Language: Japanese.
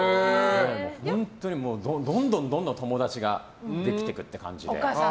本当にどんどん友達ができてくっていく感じで。